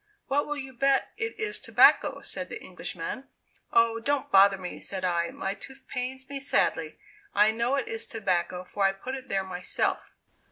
"What will you bet it is tobacco?" said the Englishman. "Oh, don't bother me," said I; "my tooth pains me sadly; I know it is tobacco, for I put it there myself."